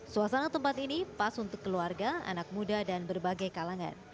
suasana tempat ini pas untuk keluarga anak muda dan berbagai kalangan